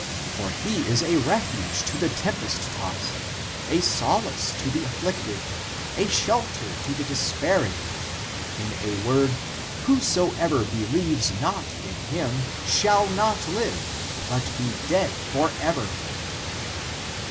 For he is a refuge to the tempest tossed, a solace to the afflicted, a shelter to the despairing; in a word: whosoever believes not in him shall not live, but be dead forever."